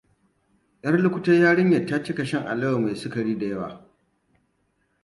ʻYarlukutar yarinyar ta cika shan alawa mai sukari da yawa.